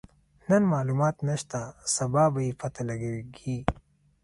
نن مالومات نشته، سبا به يې پته لګيږي.